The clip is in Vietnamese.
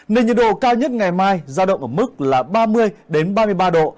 nền nhiệt độ cao nhất ngày mai ra động ở mức là ba mươi đến ba mươi ba độ